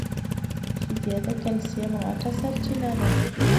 شیدې د کلیسم غټه سرچینه ده.